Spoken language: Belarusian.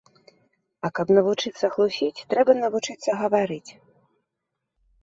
А каб навучыцца хлусіць, трэба навучыцца гаварыць.